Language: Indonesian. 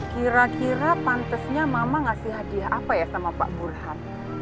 kira kira pantesnya mama ngasih hadiah apa ya sama pak burhan